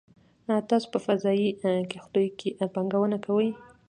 تاسو په فضايي کښتیو کې پانګونه کوئ